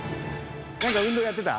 何か運動やってた？